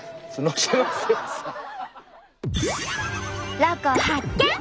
ロコ発見！